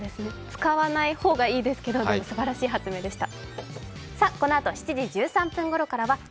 使わないほうがいいですけど、すばらしい発明でした。